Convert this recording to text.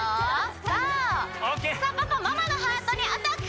さあパパママのハートにアタック！